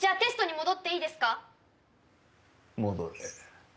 戻れ。